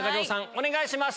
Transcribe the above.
お願いします。